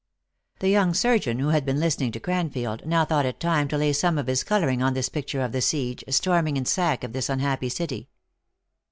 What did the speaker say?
The young surgeon, who had been listening to Cranfield, now thought it time to lay some of his coloring on this picture of the siege, storming and sack of this unhappy city.